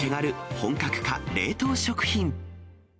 本格化冷凍食品。